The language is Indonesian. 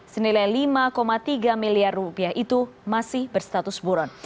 senilai lima tiga miliar rupiah itu masih berstatus buron